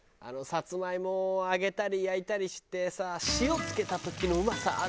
あのサツマイモを揚げたり焼いたりしてさ塩付けた時のうまさ。